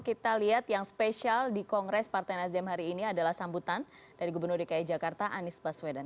kita lihat yang spesial di kongres partai nasdem hari ini adalah sambutan dari gubernur dki jakarta anies baswedan